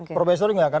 profesor juga gak kenal